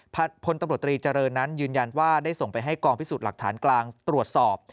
พลตำรวจตรีเจริญนั้นยืนยันว่าได้ส่งไปให้กองพิสูจน์หลักฐานกลางตรวจสอบ